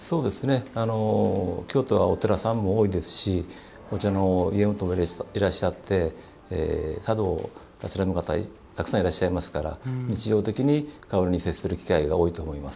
京都はお寺さんも多いですしお茶の家元もいらっしゃって茶道をたしなむ方がたくさんいらっしゃいますから日常的に香りに接する機会が多いと思います。